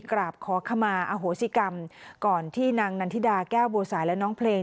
กราบขอขมาอโหสิกรรมก่อนที่นางนันทิดาแก้วบัวสายและน้องเพลง